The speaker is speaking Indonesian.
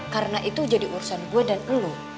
karena itu jadi urusan gue dan lo